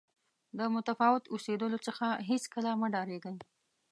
د متفاوت اوسېدلو څخه هېڅکله مه ډارېږئ.